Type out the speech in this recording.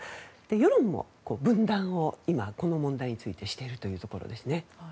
世論も分断を今、この問題についてしているというところですね。